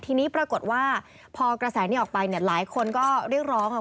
ทีนี้ปรากฏว่าพอกระแสนี้ออกไปเนี่ยหลายคนก็เรียกร้องค่ะ